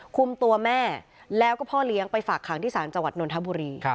คุมตัวแม่แล้วก็พ่อเลี้ยงไปฝากขังที่ศาลจังหวัดนทบุรี